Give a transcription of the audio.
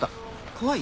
怖い？